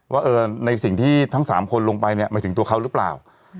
ว่าในสิ่งที่ทั้ง๓คนลงไปเนี่ยหมายถึงตัวเขาหรือเปล่า